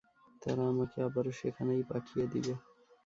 তারা আমাকে আবারো সেখানেই পাঠিয়ে দিবে।